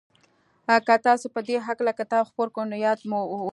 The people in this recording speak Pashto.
که تاسې په دې هکله کتاب خپور کړ نو ياد مو وي.